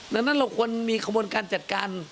ดังนั้นเราควรมีขบวนการจัดการ